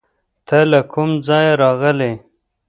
ته له کوم ځایه راغلې؟